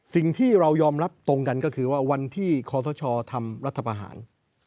สิ่งที่เรายอมรับตรงกันก็คือว่าวันที่คอสชทำรัฐประหาร